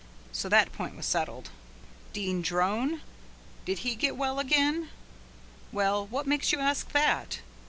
So that point was settled. Dean Drone? Did he get well again? Why, what makes you ask that?